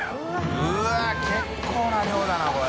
うわっ結構な量だなこれ。